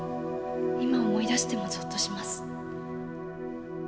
今思い出してもぞっとします。